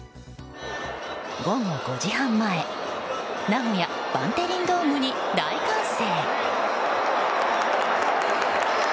午後５時半前名古屋バンテリンドームに大歓声。